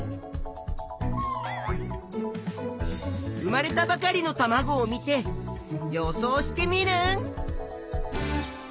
生まれたばかりのたまごを見て予想しテミルン。